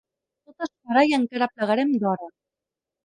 Tot es farà i encara plegarem d'hora.